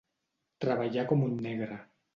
Treballar com un negre.